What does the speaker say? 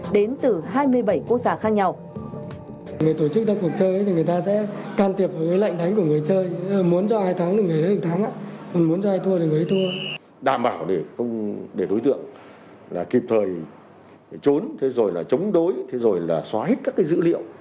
đến từ hai mươi bảy quốc gia khác nhau